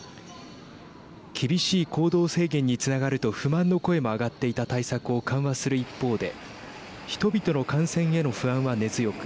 厳しい行動制限につながると不満の声も上がっていた対策を緩和する一方で人々の感染への不安は根強く